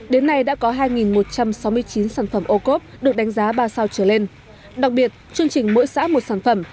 đến nay đã có hai một trăm sáu mươi chín sản phẩm ô cốp được đánh giá ba sao trở lên đặc biệt chương trình mỗi xã một sản phẩm